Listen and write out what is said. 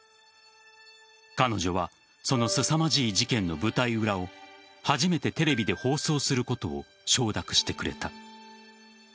彼女はそのすさまじい事件の舞台裏を初めてテレビで放送することを承諾してくれた。